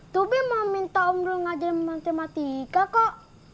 tobi mau minta om dulu ngajarin matematika kok